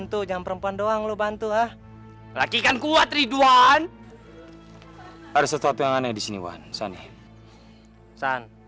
terima kasih nek